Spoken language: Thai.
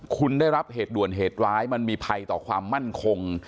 คุณได้รับเหตุด่วนเหตุร้ายมันมีภัยต่อความมั่นคง